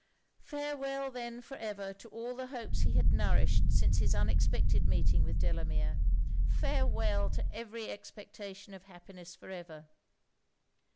Farewel then for ever to all the hopes he had nourished since his unexpected meeting with Delamere! Farewel to every expectation of happiness for ever!